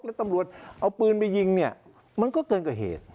แล้วตำรวจเอาปืนไปยิงเนี่ยมันก็เกินกว่าเหตุ